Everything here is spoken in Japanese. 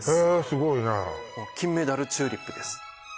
すごいね金メダルチューリップです